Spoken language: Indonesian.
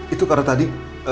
itu karena tadi